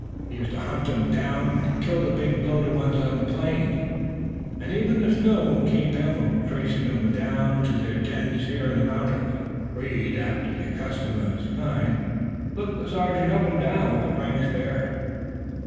He used to hunt down and kill the big bloated ones on the plains, and even the snow won't keep him from tracing 'em to their dens here in the mountains." Reed, after the custom of his kind, looked the sergeant up and down with a frank stare.